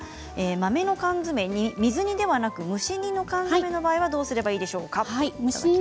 豆の缶詰、水煮ではなく蒸し煮の缶詰の場合はどうすればいいでしょうか。